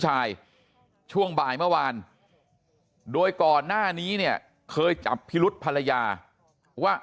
ช่วงบ่ายเมื่อวานโดยก่อนหน้านี้เนี่ยเคยจับพิรุษภรรยาว่า